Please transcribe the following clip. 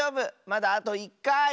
まだあと１かい！